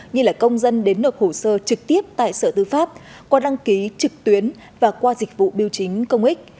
như là công dân đến nộp hồ sơ trực tiếp tại sở tư pháp qua đăng ký trực tuyến và qua dịch vụ biêu chính công ích